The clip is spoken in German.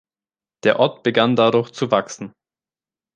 Der Ort begann dadurch zu wachsen.